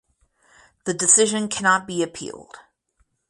The decision cannot be appealed.